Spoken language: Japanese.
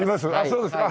そうですか。